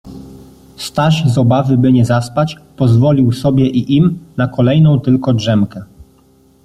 Staś z obawy, by nie zaspać, pozwolił sobie i im na kolejną tylko drzemkę.